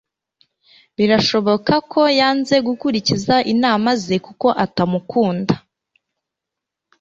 Birashoboka ko yanze gukurikiza inama ze, kuko atamukunda.